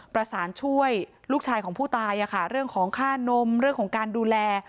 ประสานช่วยลูกชายของผู้ตายเรื่องของค่านมเรื่องของการดูแล